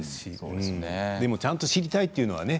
でもちゃんと知りたいというのはね